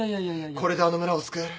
これであの村を救える。